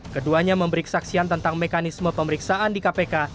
keduanya memberi kesaksian tentang mekanisme pemeriksaan di kpk